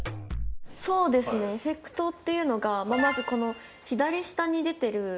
エフェクトっていうのがまずこの左下に出てる。